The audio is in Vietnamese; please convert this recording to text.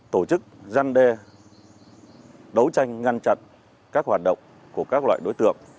tổ chức gian đe đấu tranh ngăn chặn các hoạt động của các loại đối tượng